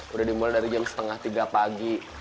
udah dimulai dari jam setengah tiga pagi